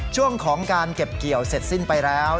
ช่วงของการเก็บเกี่ยวเสร็จสิ้นไปแล้ว